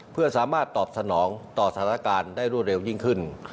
เพื่อสามารถตอบสนองต่อสถานการณ์ได้รวดเร็วยิ่งขึ้น